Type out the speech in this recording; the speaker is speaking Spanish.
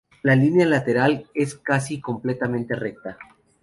La línea lateral es casi completamente recta.